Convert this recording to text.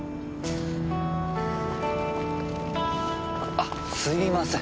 あすいません。